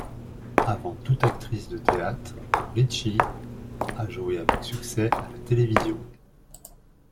Avant tout actrice de théâtre, Ricci a joué avec succès à la télévision.